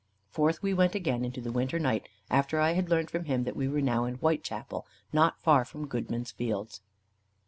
Forth we went again into the winter night, after I had learned from him that we were now in Whitechapel, not far from Goodman's Fields.